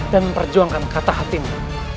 dan memperjuangkan kata hatimu